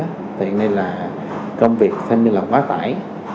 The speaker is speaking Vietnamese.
thì hiện nay là công việc thêm như là quá tải